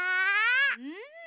うん。